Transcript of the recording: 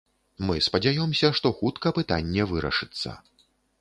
Мы спадзяёмся, што хутка пытанне вырашыцца.